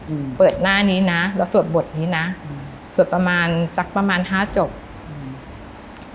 อืมเปิดหน้านี้นะแล้วสวดบทนี้นะอืมสวดประมาณสักประมาณห้าจบอืม